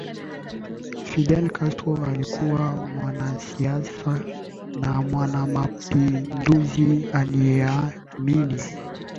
Fidel Castro alikuwa mwanasiasa na mwanamapinduzi aliyeamini